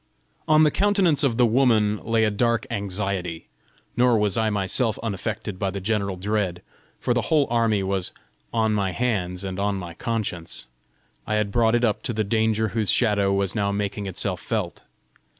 On the countenance of the woman lay a dark anxiety; nor was I myself unaffected by the general dread, for the whole army was on my hands and on my conscience: I had brought it up to the danger whose shadow was now making itself felt!